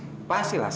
ya pastilah sus